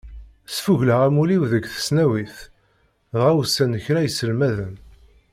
Sfugleɣ amulli-w deg tesnawit, dɣa usan-d kra iselmaden.